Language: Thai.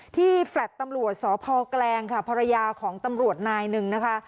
แฟลต์ตำรวจสพแกลงค่ะภรรยาของตำรวจนายหนึ่งนะคะ